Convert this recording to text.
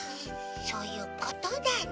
そういうことだね。